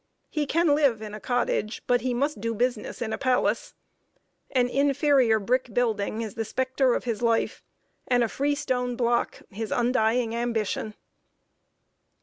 He can live in a cottage, but he must do business in a palace. An inferior brick building is the specter of his life, and a freestone block his undying ambition.